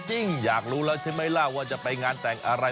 จริงอยากรู้แล้วใช่ไหมล่ะว่าจะไปงานแต่งอะไร